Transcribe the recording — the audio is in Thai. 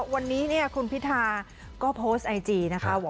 วันนี้คุณพิธาก็โพสต์ไอจีนะคะ